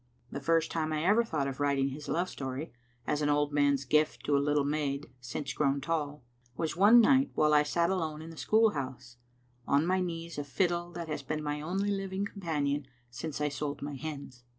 The first time I ever thought of writing his love story as an old man's gift to a little maid since grown tall, was one night while I sat alone in the school house; on my knees a fiddle that has been my only living companion since I sold my hens.